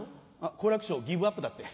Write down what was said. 好楽師匠ギブアップだって。